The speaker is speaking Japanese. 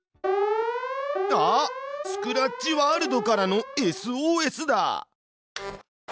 あっスクラッチワールドからのＳＯＳだ！